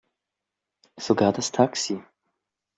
Sogar das Taxi.